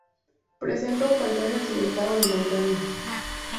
Presenta un paisaje accidentado de montaña.